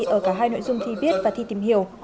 ở cả hai nội dung thi viết và thi tìm hiểu